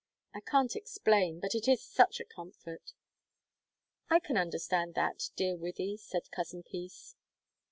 I can't explain, but it is such a comfort!" "I can understand that, dear Wythie," said Cousin Peace.